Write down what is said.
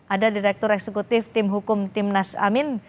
ada direktur eksekutif tim hukum timnas amin